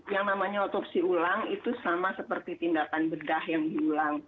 yang namanya otopsi ulang itu sama seperti tindakan bedah yang diulang